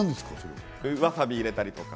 わさびを入れたりとか。